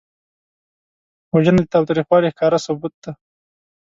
وژنه د تاوتریخوالي ښکاره ثبوت دی